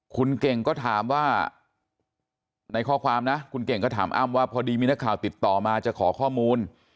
คุณเก่งก็ถามว่าในข้อความนะคุณเก่งก็ถามอ้ำว่าพอดีมีนักข่าวติดต่อมาจะขอข้อมูล